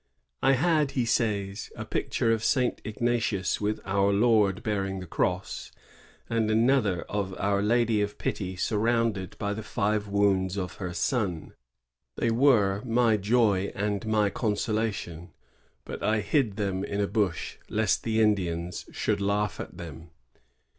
"I had," he says, "a picture of Saint Ignatius with our Lord bearing the cross, and another of Our Lady of Pity surrounded by the five wounds of her Son. They were my joy and my consolation; but I hid them in a bush, lest the Indians should laugh at them."